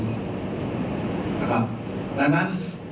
นะครับดังนั้น